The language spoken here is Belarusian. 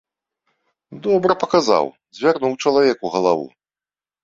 Добра паказаў, звярнуў чалавеку галаву.